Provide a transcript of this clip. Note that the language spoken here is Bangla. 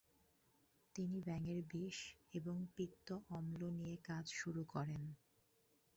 তিনি ব্যাঙের বিষ এবং পিত্ত অম্ল নিয়ে কাজ শুরু করেন।